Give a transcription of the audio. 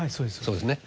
そうですね。